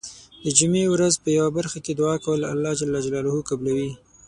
د جمعې ورځې په یو برخه کې دعا کول الله ج قبلوی .